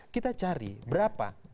kita cari berapa